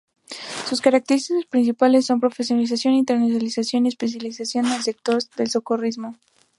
Sus características principales son la profesionalización, internacionalización y especialización del sector del socorrismo.